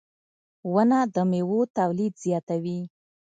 • ونه د میوو تولید زیاتوي.